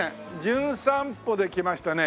『じゅん散歩』で来ましたね